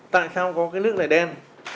tại sao có cái nước này đen